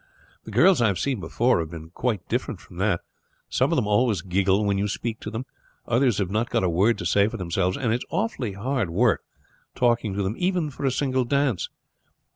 The girls I have seen before have been quite different from that. Some of them always giggle when you speak to them, others have not got a word to say for themselves; and it is awfully hard work talking to them even for a single dance.